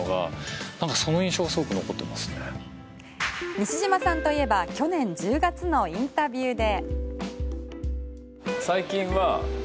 西島さんといえば去年１０月のインタビューで。